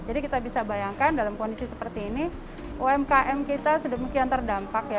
jadi kita bisa bayangkan dalam kondisi seperti ini umkm kita sedemikian terdampak ya